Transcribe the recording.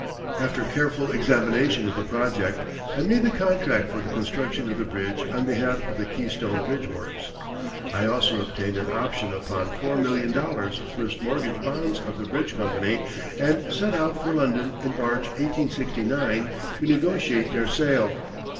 After careful examination of the project I made the contract for the construction of the bridge on behalf of the Keystone Bridge Works. I also obtained an option upon four million dollars of first mortgage bonds of the bridge company and set out for London in March, 1869, to negotiate their sale.